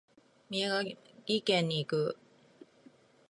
宮城県に行く。